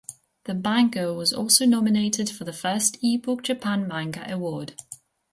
The manga was also nominated for the first Ebook Japan manga award.